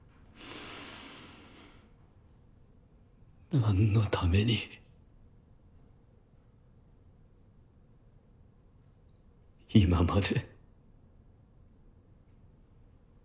なんのために今まで。